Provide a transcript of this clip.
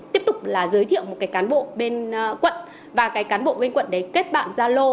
tiếp tục là giới thiệu một cái cán bộ bên quận và cái cán bộ bên quận đấy kết bạn gia lô